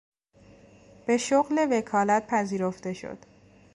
به شغل وکالت پذیرفته شد.